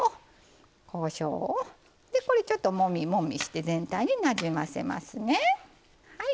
でこれちょっともみもみして全体になじませますね。